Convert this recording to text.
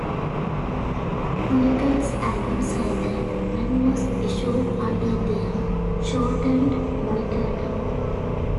Chronicles album cycle, and was issued under their shortened moniker Da.